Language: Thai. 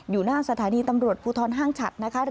อยู่หน้าสถานีตำรวจภูทรห้างฉัดนะคะ